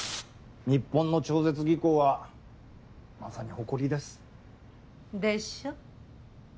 日本の超絶技巧はまさに誇りです。でしょ？